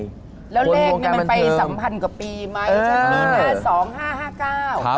แล้วเลขนี่มันไปสัมพันธ์กับปีไหม